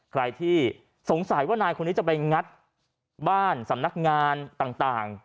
ใครที่สงสัยว่านายคนนี้จะไปงัดบ้านสำนักงานต่าง